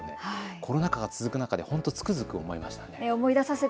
コロナ禍が続く中でつくづく思いましたね。